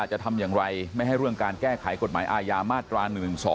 จะทำอย่างไรไม่ให้เรื่องการแก้ไขกฎหมายอาญามาตรา๑๑๒